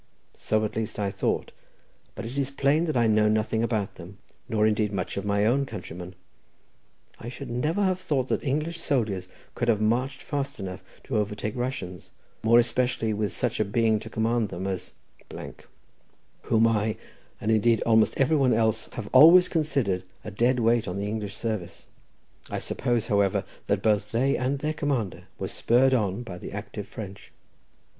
So at least I thought, but it is plain that I know nothing about them, nor indeed much of my own countrymen; I should never have thought that English soldiers could have marched fast enough to overtake Russians, more especially with such a being to command them, as —, whom I, and indeed almost every one else, have always considered a dead weight on the English service. I suppose, however, that both they and their commander were spurred on by the active French."